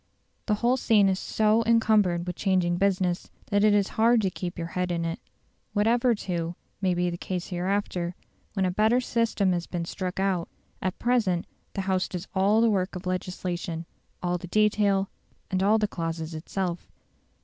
The whole scene is so encumbered with changing business, that it is hard to keep your head in it. Whatever, too, may be the case hereafter, when a better system has been struck out, at present the House does all the work of legislation, all the detail, and all the clauses itself.